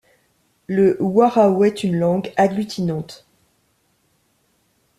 Le warao est une langue agglutinante.